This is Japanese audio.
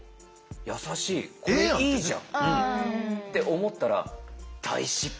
優しいこれいいじゃんって思ったら大失敗。